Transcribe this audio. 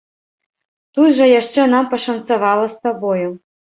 Тут жа яшчэ нам пашанцавала з табою.